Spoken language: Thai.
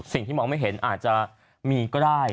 สิ่งที่มองไม่เห็นอาจจะมีก็ได้